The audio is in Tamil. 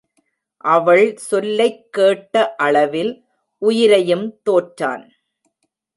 அவள் சொல்லைக் கேட்ட அளவில் உயிரையும் தோற்றான்.